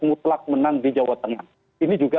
mutlak menang di jawa tengah ini juga